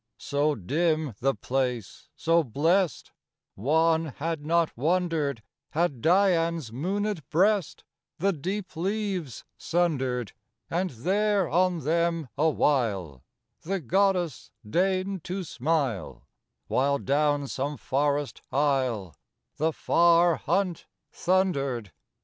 IV So dim the place, so blest, One had not wondered Had Dian's moonéd breast The deep leaves sundered, And there on them a while The goddess deigned to smile, While down some forest aisle The far hunt thundered.